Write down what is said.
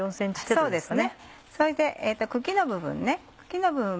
そうですね。